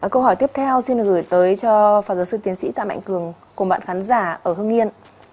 câu hỏi tiếp theo xin gửi tới cho phạm giáo sư tiến sĩ tạm mạnh cường cùng bạn khán giả ở hưng yên